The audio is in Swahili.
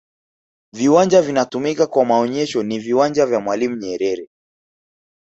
viwanja vinatumika kwa maonesho ni viwanja vya mwalimu nyerere